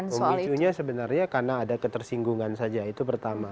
pemicunya sebenarnya karena ada ketersinggungan saja itu pertama